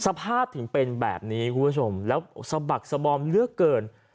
สภาพถึงเป็นแบบนี้คุณผู้ชมแล้วสะบักสบอมเลือกเกิน